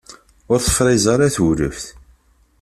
Ur tefṛiz ara tewlaft.